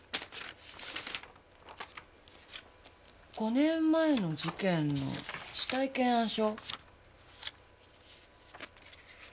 ５年前の事件の死体検案書。